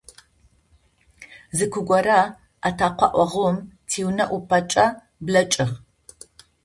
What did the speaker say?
Зы ку горэ атэкъэӏогъум тиунэ ӏупэкӏэ блэкӏыгъ.